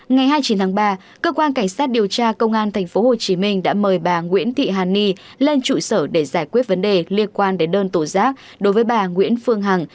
ngày hai mươi chín tháng ba cơ quan cảnh sát điều tra công an tp hcm đã mời bà nguyễn thị hàn ni lên trụ sở để giải quyết vấn đề liên quan đến đơn tổ giác đối với bà nguyễn phương hằng